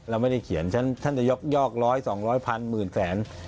เราไม่ได้เขียนท่านจะยกยอกร้อยสองร้อยพันหมื่นแสน